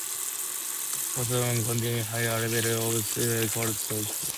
Petroleum containing higher levels of sulfur is called sour crude oil.